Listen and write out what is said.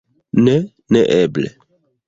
Ne, neeble.